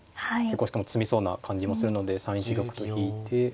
しかも詰みそうな感じもするので３一玉と引いて。